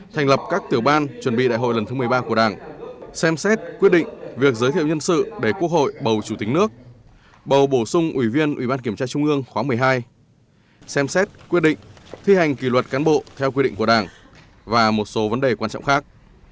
thành lập các tiểu ban chuẩn bị đại hội lần thứ một mươi ba của đảng xem xét quyết định việc giới thiệu nhân sự để quốc hội bầu chủ tịch nước bầu bổ sung ủy viên ủy ban kiểm tra trung ương khóa một mươi hai xem xét quyết định thi hành kỷ luật cán bộ theo quy định của đảng và một số vấn đề quan trọng khác